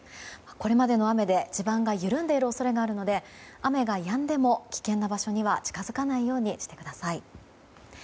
これまでの雨で地盤が緩んでいる恐れがあるので雨がやんでも危険な場所には近づかないようにしてください。